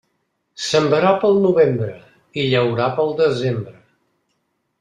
Sembrar pel novembre i llaurar pel desembre.